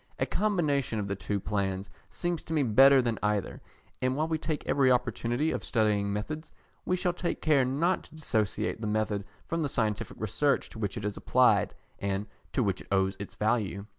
A combination of the two plans seems to me better than either, and while we take every opportunity of studying methods, we shall take care not to dissociate the method from the scientific research to which it is applied, and to which it owes its value.